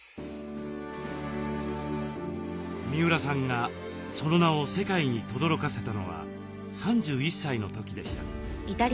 三浦さんがその名を世界にとどろかせたのは３１歳の時でした。